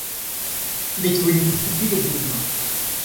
Ведь вы не поступили дурно?